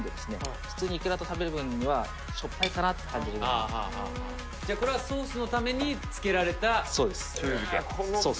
普通にイクラと食べる分にはしょっぱいかなと感じるぐらいじゃあこれはソースのために漬けられたそうです